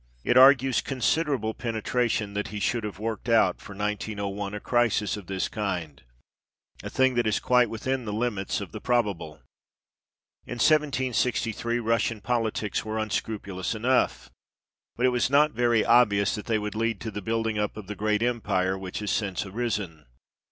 It argues considerable penetration that he should have worked out for 1901 a crisis of this kind a thing that is quite within the limits of the probable. In 1763 Russian politics were unscrupulous enough, but it was not very obvious that they would lead to the building up of the great empire which has since arisen.